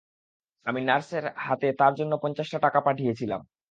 আমি নার্সের হাতে তার জন্যে পঞ্চাশটা টাকা পাঠিয়েছিলাম।